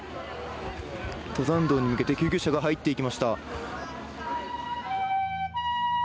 登山道に向けて救急車が入っていきました。